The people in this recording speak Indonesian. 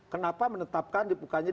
kenapa menetapkan di bukannya